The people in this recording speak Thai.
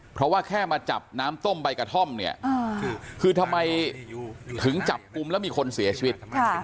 เพราะว่าแค่มาจับน้ำต้มใบกระท่อมเนี่ยคือทำไมถึงจับกลุ่มแล้วมีคนเสียชีวิต